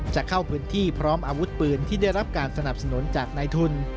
จะเข้าพื้นที่พร้อมอาวุธปืนที่ได้รับการสนับสนุนจากนายทุน